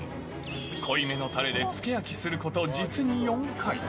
濃いめのたれで漬け焼きすること、実に４回。